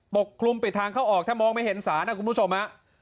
กคลุมปิดทางเข้าออกถ้ามองไม่เห็นสารนะคุณผู้ชมฮะ